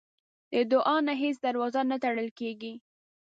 د دعا نه هیڅ دروازه نه تړل کېږي.